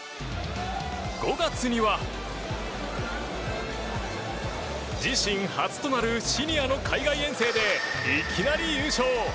５月には、自身初となるシニアの海外遠征でいきなり優勝！